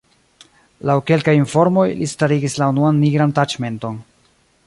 Laŭ kelkaj informoj, li starigis la unuan nigran taĉmenton.